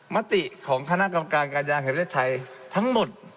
มติของคณะกรรมการการยางแห่งประเทศไทยทั้งหมด